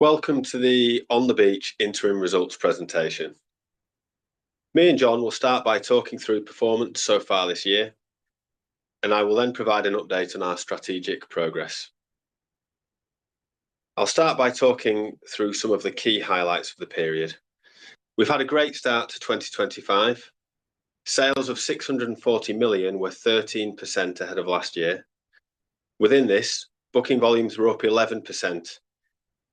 Welcome to the On the Beach Interim Results Presentation. Me and John will start by talking through performance so far this year, and I will then provide an update on our strategic progress. I'll start by talking through some of the key highlights of the period. We've had a great start to 2025. Sales of $640 million were 13% ahead of last year. Within this, booking volumes were up 11%,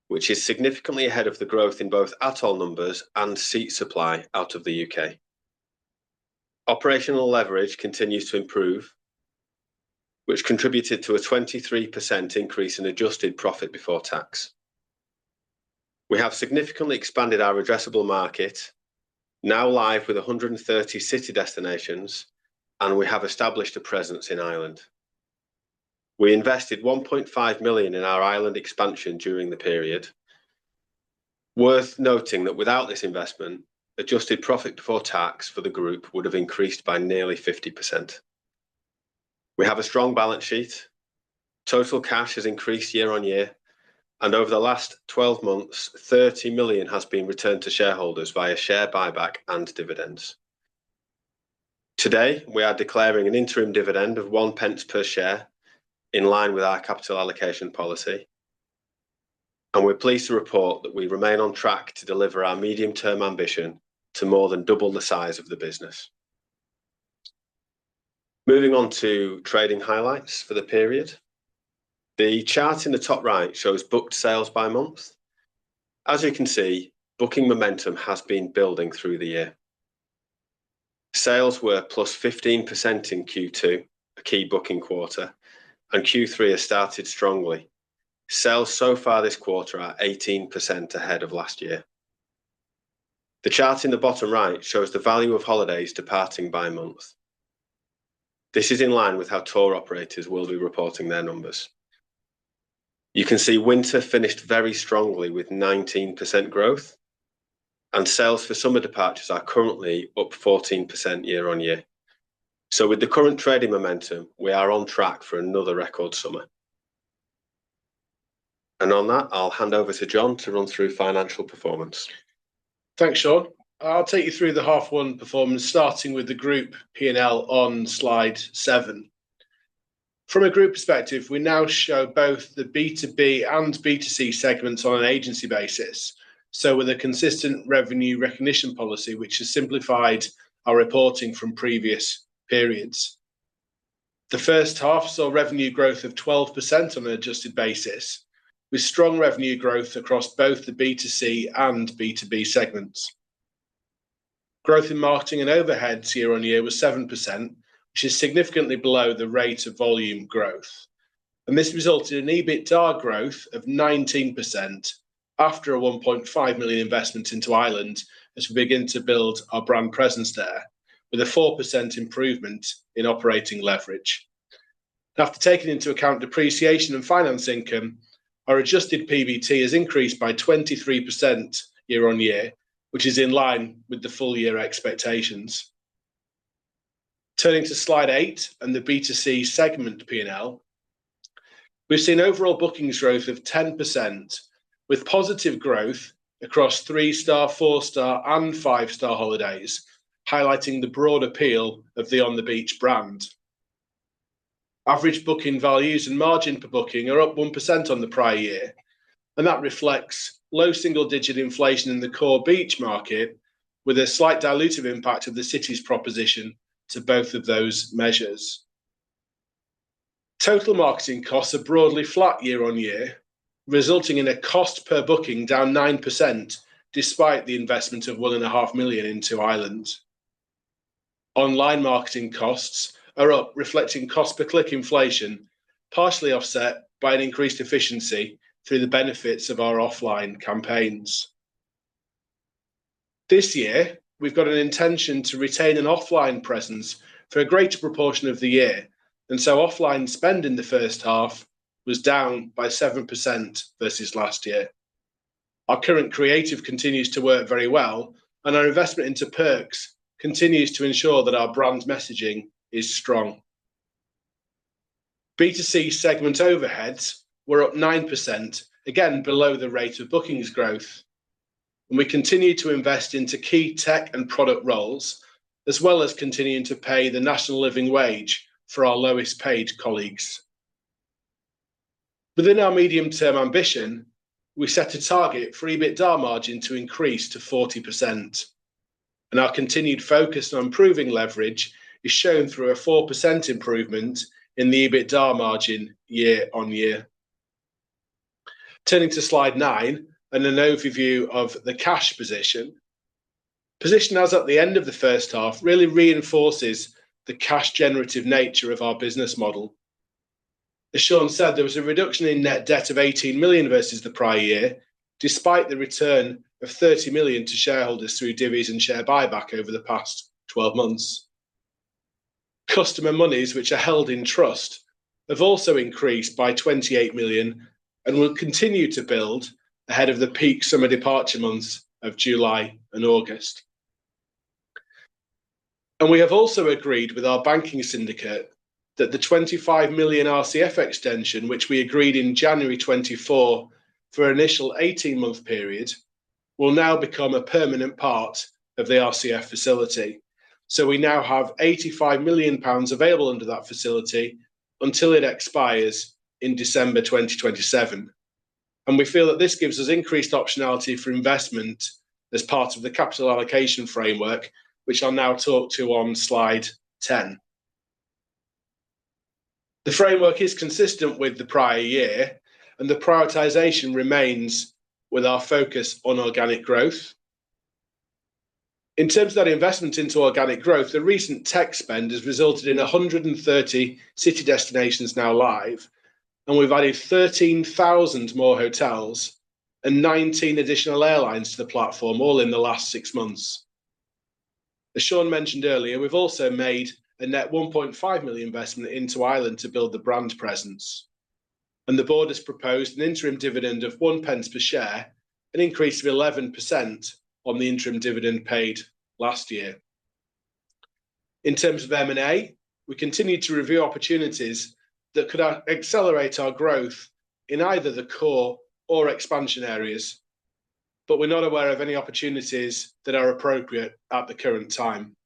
which is significantly ahead of the growth in both at-home numbers and seat supply out of the U.K. Operational leverage continues to improve, which contributed to a 23% increase in adjusted profit before tax. We have significantly expanded our addressable market, now live with 130 city destinations, and we have established a presence in Ireland. We invested $1.5 million in our Ireland expansion during the period. Worth noting that without this investment, adjusted profit before tax for the group would have increased by nearly 50%. We have a strong balance sheet. Total cash has increased year-on-year, and over the last 12 months, $30 million has been returned to shareholders via share buyback and dividends. Today, we are declaring an interim dividend of 0.01 per share, in line with our capital allocation policy. We are pleased to report that we remain on track to deliver our medium-term ambition to more than double the size of the business. Moving on to trading highlights for the period. The chart in the top right shows booked sales by month. As you can see, booking momentum has been building through the year. Sales were +15% in Q2, a key booking quarter, and Q3 has started strongly. Sales so far this quarter are 18% ahead of last year. The chart in the bottom right shows the value of holidays departing by month. This is in line with how tour operators will be reporting their numbers. You can see winter finished very strongly with 19% growth, and sales for summer departures are currently up 14% year-on-year. With the current trading momentum, we are on track for another record summer. On that, I'll hand over to John to run through financial performance. Thanks, Sean. I'll take you through the half one performance, starting with the group P&L on slide seven. From a group perspective, we now show both the B2B and B2C segments on an agency basis. So with a consistent revenue recognition policy, which has simplified our reporting from previous periods. The first half saw revenue growth of 12% on an adjusted basis, with strong revenue growth across both the B2C and B2B segments. Growth in marketing and overheads year on year was 7%, which is significantly below the rate of volume growth. This resulted in an EBITDA growth of 19% after a $1.5 million investment into Ireland as we begin to build our brand presence there, with a 4% improvement in operating leverage. After taking into account depreciation and finance income, our adjusted PBT has increased by 23% year-on-year, which is in line with the full year expectations. Turning to slide eight and the B2C segment P&L, we've seen overall bookings growth of 10%, with positive growth across three-star, four-star, and five-star holidays, highlighting the broad appeal of the On the Beach brand. Average booking values and margin per booking are up 1% on the prior year, and that reflects low single-digit inflation in the core beach market, with a slight dilutive impact of the city's proposition to both of those measures. Total marketing costs are broadly flat year-on-year, resulting in a cost per booking down 9% despite the investment of $1.5 million into Ireland. Online marketing costs are up, reflecting cost per click inflation, partially offset by an increased efficiency through the benefits of our offline campaigns. This year, we've got an intention to retain an offline presence for a greater proportion of the year, and so offline spend in the first half was down by 7% versus last year. Our current creative continues to work very well, and our investment into perks continues to ensure that our brand messaging is strong. B2C segment overheads were up 9%, again below the rate of bookings growth. We continue to invest into key tech and product roles, as well as continuing to pay the national living wage for our lowest paid colleagues. Within our medium-term ambition, we set a target for EBITDA margin to increase to 40%. Our continued focus on improving leverage is shown through a 4% improvement in the EBITDA margin year-on-year. Turning to slide nine and an overview of the cash position, position as at the end of the first half really reinforces the cash-generative nature of our business model. As Shaun said, there was a reduction in net debt of $18 million versus the prior year, despite the return of $30 million to shareholders through divvies and share buyback over the past 12 months. Customer monies, which are held in trust, have also increased by $28 million and will continue to build ahead of the peak summer departure months of July and August. We have also agreed with our banking syndicate that the $25 million RCF extension, which we agreed in January 2024 for an initial 18-month period, will now become a permanent part of the RCF facility. We now have 85 million pounds available under that facility until it expires in December 2027. We feel that this gives us increased optionality for investment as part of the capital allocation framework, which I'll now talk to on slide 10. The framework is consistent with the prior year, and the prioritization remains with our focus on organic growth. In terms of that investment into organic growth, the recent tech spend has resulted in 130 city destinations now live, and we've added 13,000 more hotels and 19 additional airlines to the platform, all in the last six months. As Shaun mentioned earlier, we've also made a net $1.5 million investment into Ireland to build the brand presence. The board has proposed an interim dividend of 0.01 per share, an increase of 11% on the interim dividend paid last year. In terms of M&A, we continue to review opportunities that could accelerate our growth in either the core or expansion areas, but we're not aware of any opportunities that are appropriate at the current time.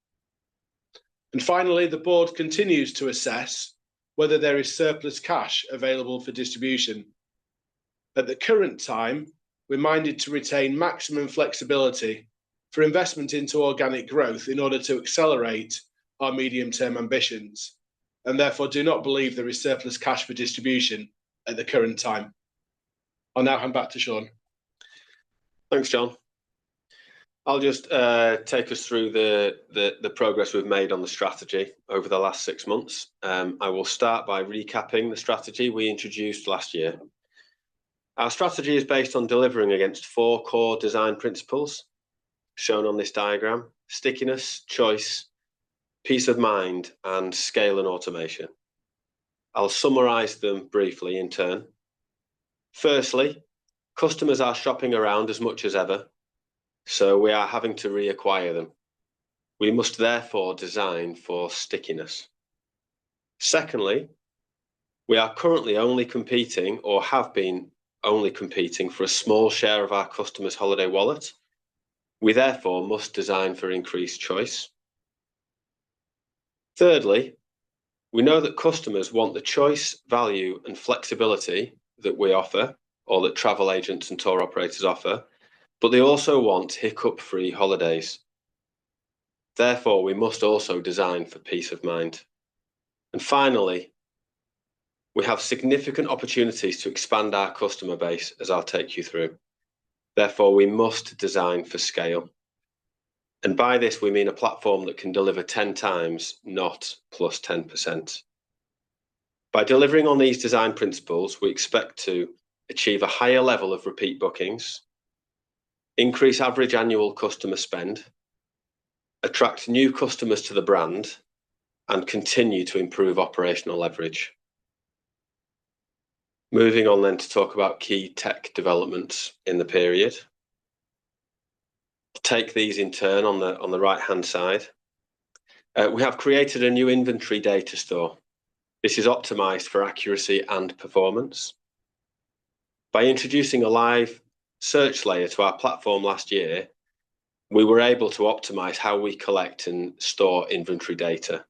Finally, the board continues to assess whether there is surplus cash available for distribution. At the current time, we're minded to retain maximum flexibility for investment into organic growth in order to accelerate our medium-term ambitions, and therefore do not believe there is surplus cash for distribution at the current time. I'll now hand back to Shaun. Thanks, John. I'll just take us through the progress we've made on the strategy over the last six months. I will start by recapping the strategy we introduced last year. Our strategy is based on delivering against four core design principles shown on this diagram: stickiness, choice, peace of mind, and scale and automation. I'll summarize them briefly in turn. Firstly, customers are shopping around as much as ever, so we are having to reacquire them. We must therefore design for stickiness. Secondly, we are currently only competing or have been only competing for a small share of our customers' holiday wallet. We therefore must design for increased choice. Thirdly, we know that customers want the choice, value, and flexibility that we offer or that travel agents and tour operators offer, but they also want hiccup-free holidays. Therefore, we must also design for peace of mind. Finally, we have significant opportunities to expand our customer base as I'll take you through. Therefore, we must design for scale. By this, we mean a platform that can deliver 10x, not +10%. By delivering on these design principles, we expect to achieve a higher level of repeat bookings, increase average annual customer spend, attract new customers to the brand, and continue to improve operational leverage. Moving on to talk about key tech developments in the period. Take these in turn on the right-hand side. We have created a new inventory data store. This is optimized for accuracy and performance. By introducing a live search layer to our platform last year, we were able to optimize how we collect and store inventory data.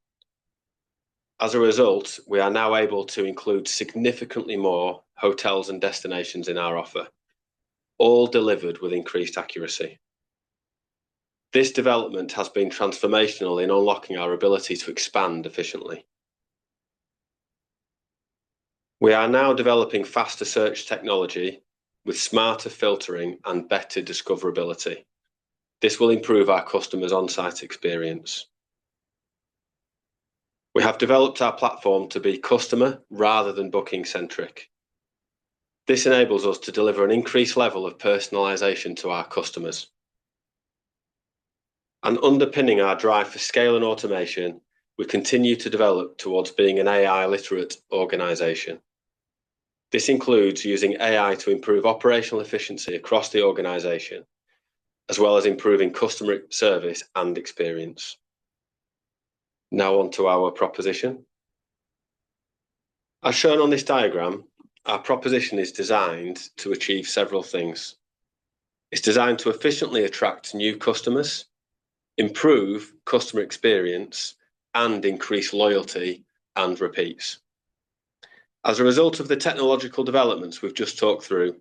As a result, we are now able to include significantly more hotels and destinations in our offer, all delivered with increased accuracy. This development has been transformational in unlocking our ability to expand efficiently. We are now developing faster search technology with smarter filtering and better discoverability. This will improve our customers' on-site experience. We have developed our platform to be customer rather than booking-centric. This enables us to deliver an increased level of personalization to our customers. Underpinning our drive for scale and automation, we continue to develop towards being an AI-literate organization. This includes using AI to improve operational efficiency across the organization, as well as improving customer service and experience. Now on to our proposition. As shown on this diagram, our proposition is designed to achieve several things. It is designed to efficiently attract new customers, improve customer experience, and increase loyalty and repeats. As a result of the technological developments we've just talked through,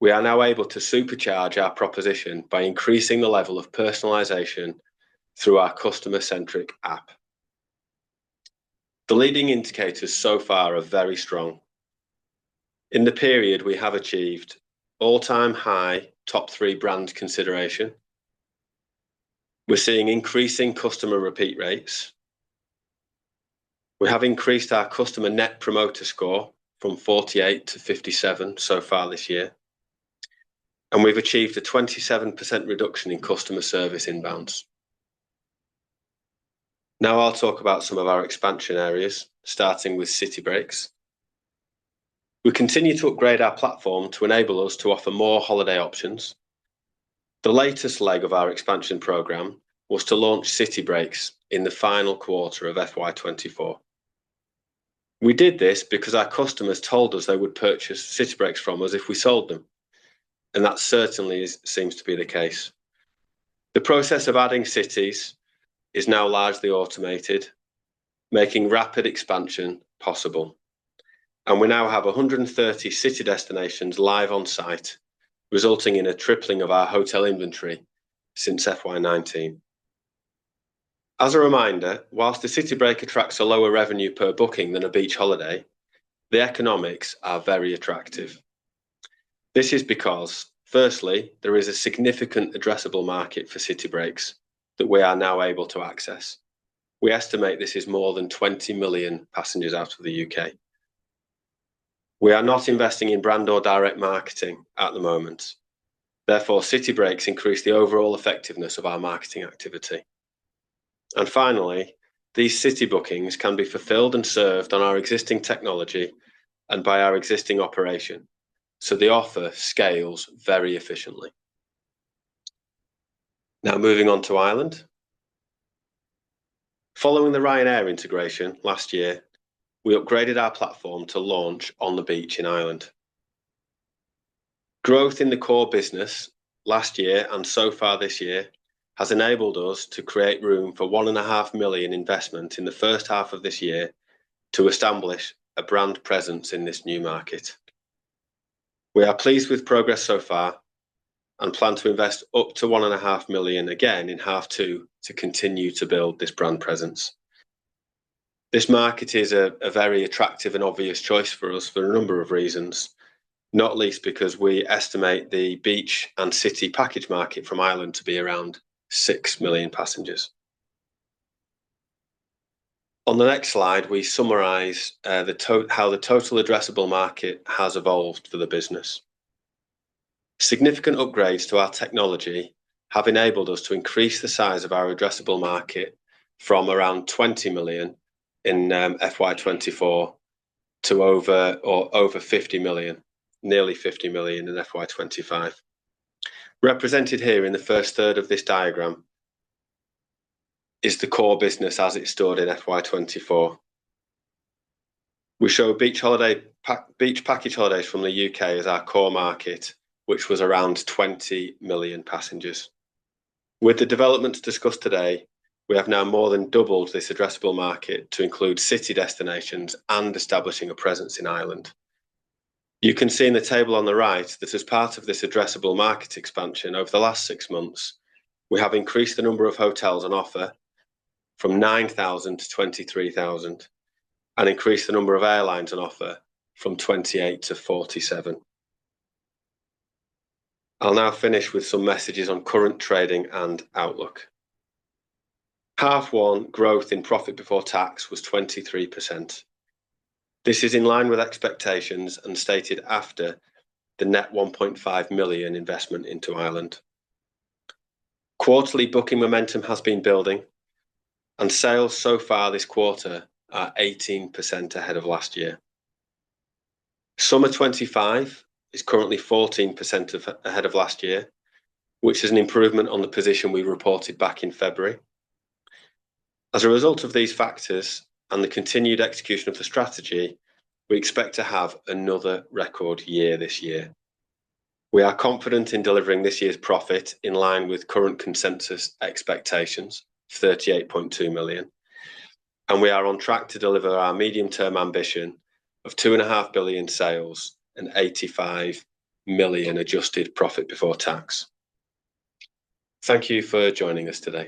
we are now able to supercharge our proposition by increasing the level of personalization through our customer-centric app. The leading indicators so far are very strong. In the period, we have achieved all-time high top three brand consideration. We're seeing increasing customer repeat rates. We have increased our customer Net Promoter Score from 48 to 57 so far this year. We've achieved a 27% reduction in customer service inbounds. Now I'll talk about some of our expansion areas, starting with City Breaks. We continue to upgrade our platform to enable us to offer more holiday options. The latest leg of our expansion program was to launch City Breaks in the final quarter of 2024. We did this because our customers told us they would purchase City Breaks from us if we sold them. That certainly seems to be the case. The process of adding cities is now largely automated, making rapid expansion possible. We now have 130 city destinations live on-site, resulting in a tripling of our hotel inventory since 2019. As a reminder, whilst the City Break attracts a lower revenue per booking than a beach holiday, the economics are very attractive. This is because, firstly, there is a significant addressable market for City Breaks that we are now able to access. We estimate this is more than 20 million passengers out of the U.K. We are not investing in brand or direct marketing at the moment. Therefore, City Breaks increased the overall effectiveness of our marketing activity. Finally, these city bookings can be fulfilled and served on our existing technology and by our existing operation. The offer scales very efficiently. Now moving on to Ireland. Following the Ryanair integration last year, we upgraded our platform to launch On the Beach in Ireland. Growth in the core business last year and so far this year has enabled us to create room for 1.5 million investment in the first half of this year to establish a brand presence in this new market. We are pleased with progress so far and plan to invest up to 1.5 million again in half two to continue to build this brand presence. This market is a very attractive and obvious choice for us for a number of reasons, not least because we estimate the beach and city package market from Ireland to be around 6 million passengers. On the next slide, we summarize how the total addressable market has evolved for the business. Significant upgrades to our technology have enabled us to increase the size of our addressable market from around 20 million in FY2024 to over 50 million, nearly 50 million in FY2025. Represented here in the first third of this diagram is the core business as it stood in FY2024. We show beach package holidays from the U.K. as our core market, which was around 20 million passengers. With the developments discussed today, we have now more than doubled this addressable market to include city destinations and establishing a presence in Ireland. You can see in the table on the right that as part of this addressable market expansion over the last six months, we have increased the number of hotels on offer from 9,000 to 23,000 and increased the number of airlines on offer from 28 to 47. I'll now finish with some messages on current trading and outlook. Half one growth in profit before tax was 23%. This is in line with expectations and stated after the net 1.5 million investment into Ireland. Quarterly booking momentum has been building, and sales so far this quarter are 18% ahead of last year. Summer 2025 is currently 14% ahead of last year, which is an improvement on the position we reported back in February. As a result of these factors and the continued execution of the strategy, we expect to have another record year this year. We are confident in delivering this year's profit in line with current consensus expectations, 38.2 million. We are on track to deliver our medium-term ambition of 2.5 billion sales and 85 million adjusted profit before tax. Thank you for joining us today.